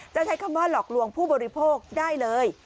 ใช้คำว่าหลอกลวงผู้บริโภคได้เลย